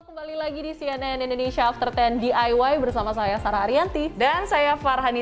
kembali lagi di cnn indonesia after sepuluh diy bersama saya sarah arianti dan saya farhani